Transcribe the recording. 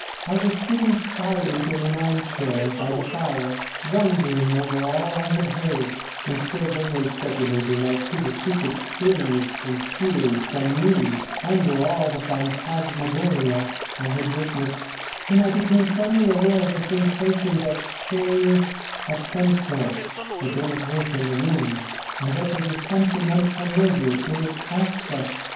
I was sitting silent in an armchair by the fire, wondering over all I had heard, and still vainly speculating as to the secret springs concealed from me under all the phantasmagoria I had witnessed, when I became suddenly aware of a sensation that change of some sort had been at work in the room, and that there was something unfamiliar in its aspect.